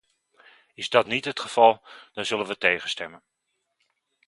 Is dat niet het geval, dan zullen we tegen stemmen.